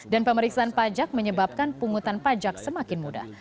dan pemeriksaan pajak menyebabkan pungutan pajak semakin mudah